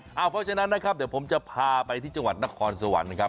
เพราะฉะนั้นนะครับเดี๋ยวผมจะพาไปที่จังหวัดนครสวรรค์นะครับ